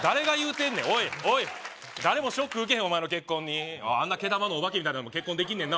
てんねんおいおい誰もショック受けへんわお前の結婚にあんな毛玉のオバケみたいなのでも結婚できんねんな